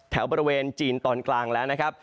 แถวบริเวณจีนตอนกลางแล้วนะครับ